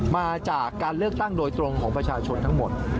มาจากการเลือกตั้งโดยตรงของประชาชนทั้งหมด